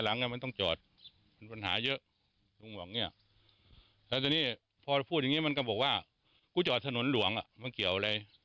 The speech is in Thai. แล้วทีนี้พอพูดอย่างนี้มันก็บอกว่ากูจอดถนนหลวงไม่เกี่ยวอะไร